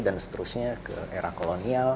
dan seterusnya ke era kolonial